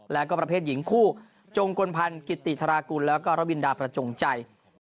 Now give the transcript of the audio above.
แล้วก็ประเภทหญิงคู่จงกลพันธ์กิติธรากุลแล้วก็ระบินดาประจงใจ